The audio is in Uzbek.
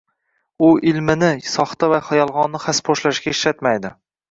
U ilmini soxta va yolg‘onni xaspo‘shlashga ishlatmaydi.